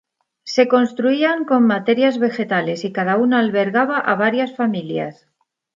Se construían con materias vegetales y cada una albergaba a varias familias.